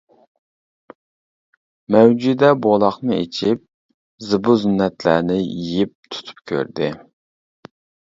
مەۋجۇدە بولاقنى ئېچىپ، زىبۇ-زىننەتلەرنى يېيىپ تۇتۇپ كۆردى.